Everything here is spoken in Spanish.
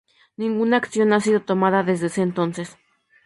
Ninguna acción ha sido tomada desde entonces.